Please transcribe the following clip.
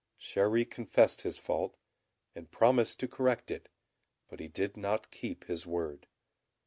Chéri confessed his fault, and promised to correct it; but he did not keep his word.